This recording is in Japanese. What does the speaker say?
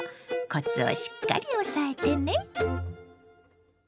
コツをしっかり押さえてね。